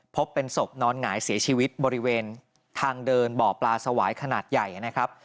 พบเป็นศพนอนหงายเสียชีวิตบริเวณทางเดินบ่อปลาสวายขนาดใหญ่นะครับ